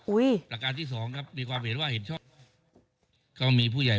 ประการที่สองครับมีความเห็นว่าเห็นชอบก็มีผู้ใหญ่